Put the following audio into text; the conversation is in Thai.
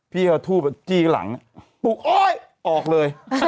พี่เอาทูปจี้หลังปุ๊บโอ๊ยออกเลย